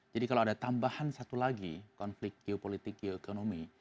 jadi kalau ada tambahan satu lagi konflik geopolitik geoekonomi